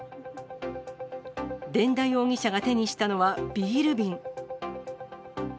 伝田容疑者が手にしたのはビール瓶。